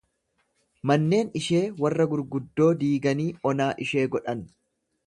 Manneen ishee warra gurguddoo diiganii onaa ishee godhan.